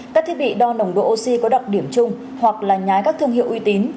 các thiết bị đo nồng độ oxy có đặc điểm chung hoặc là nhái các thương hiệu uy tín